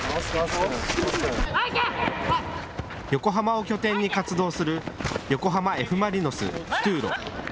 横浜を拠点に活動する横浜Ｆ・マリノスフトゥーロ。